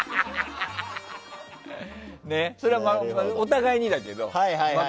それはお互いにだけど。